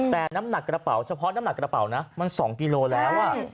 แต่น้ำหนักกระเป๋าเฉพาะน้ำหนักกระเป๋านะมัน๒กิโลแล้ว